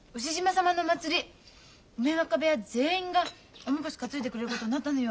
梅若部屋全員がお神輿担いでくれることになったのよ。